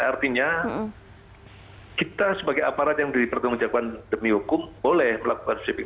artinya kita sebagai aparat yang dipertanggungjawabkan demi hukum boleh melakukan sweeping